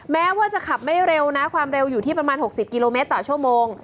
แม้ว่าจะขับไม่เร็วนะความเร็วอยู่ที่ประมาณ๖๐กิโลเมตรต่อชั่วโมง